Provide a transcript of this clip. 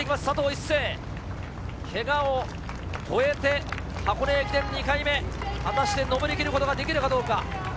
佐藤一世、けがを越えて箱根駅伝２回目、果たして上りきることができるかどうか。